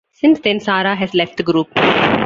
Since then, Sara has left the group.